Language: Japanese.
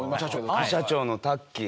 副社長のタッキー。